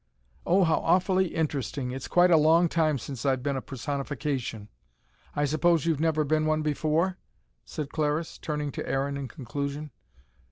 "Oh, how awfully interesting. It's quite a long time since I've been a personification. I suppose you've never been one before?" said Clariss, turning to Aaron in conclusion.